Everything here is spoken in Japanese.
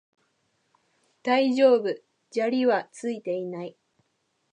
大丈夫、砂利はついていない